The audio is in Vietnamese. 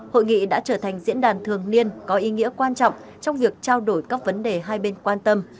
hội nghị đã trở thành diễn đàn thường niên có ý nghĩa quan trọng trong việc trao đổi các vấn đề hai bên quan tâm